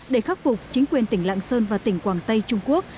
để khắc phục chính quyền tỉnh lạng sơn và tỉnh quảng tây trung quốc